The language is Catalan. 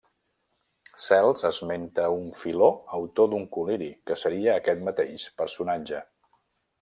Cels esmenta un Filó autor d'un col·liri, que seria aquest mateix personatge.